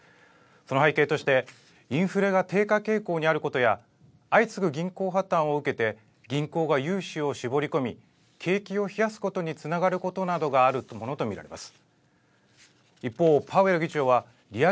その背景として、インフレが低下傾向にあることや、相次ぐ銀行破綻を受けて、銀行が融資を絞り込み、景気を冷やすことにつながることなどがあるものと見られます。